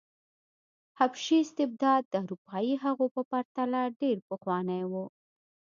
حبشي استبداد د اروپايي هغو په پرتله ډېر پخوانی و.